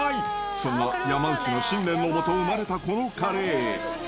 そんな山内の信念のもと生まれたこのカレー。